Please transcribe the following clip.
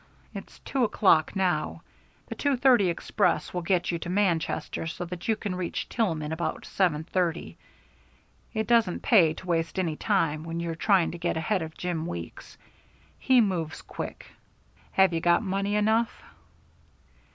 It's two o'clock now. The two thirty express will get you to Manchester so that you can reach Tillman about seven thirty. It doesn't pay to waste any time when you're trying to get ahead of Jim Weeks. He moves quick. Have you got money enough?"